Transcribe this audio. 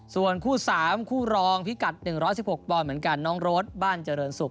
ส่วนคู่๓คู่รองพิกัด๑๑๖ปอนด์เหมือนกันน้องโรดบ้านเจริญสุข